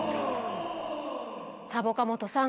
サボカもとさん。